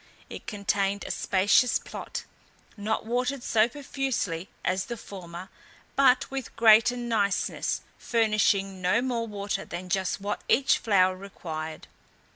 It contained a spacious plot, not watered so profusely as the former, but with greater niceness, furnishing no more water than just what each flower required.